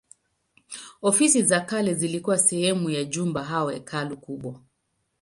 Ofisi za kale zilikuwa sehemu ya jumba au hekalu kubwa.